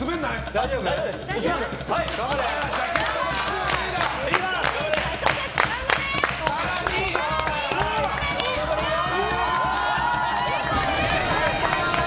大丈夫です。